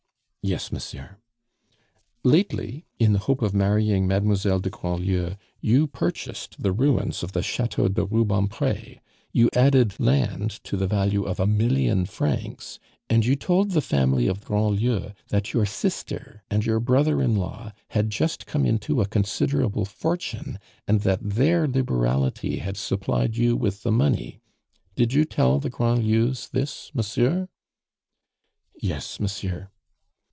"Yes, monsieur." "Lately, in the hope of marrying Mademoiselle de Grandlieu, you purchased the ruins of the Chateau de Rubempre, you added land to the value of a million francs, and you told the family of Grandlieu that your sister and your brother in law had just come into a considerable fortune, and that their liberality had supplied you with the money. Did you tell the Grandlieus this, monsieur?" "Yes, monsieur."